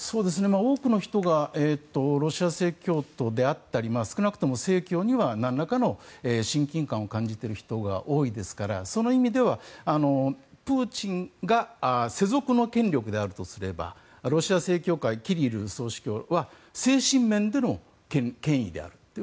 多くの人がロシア正教徒であったり少なくとも正教にはなんらかの親近感を感じている人が多いですからその意味ではプーチンが世俗の権力であるとすればロシア正教会、キリル総主教は精神面での権威であると。